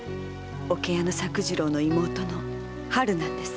桶屋の作次郎の妹の“春”なんです。